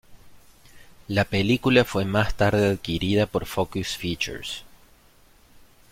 La película fue más tarde adquirida por Focus Features.